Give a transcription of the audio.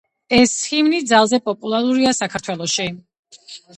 ეს ჰიმნი ძალზე პოპულარულია საქართველოში.